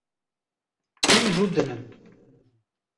Hûn rûdinin